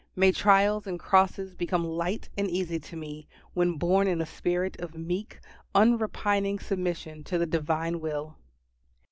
May trials and crosses become light and easy to me when borne in a spirit of meek, unrepining submission to the Divine will.